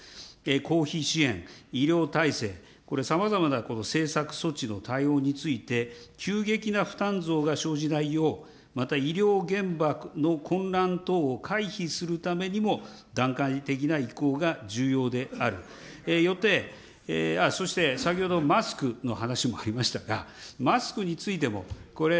公費支援、医療体制、これさまざまな政策措置の対応について、急激な負担増が生じないよう、また、医療現場の混乱等を回避するためにも段階的な移行が重要である、よって、そして、先ほどマスクの話もありましたが、マスクについても、これ、